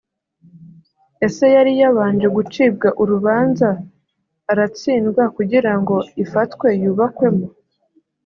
ese yari yabanje gucibwa urubanza aratsindwa kugira ngo ifatwe yubakwemo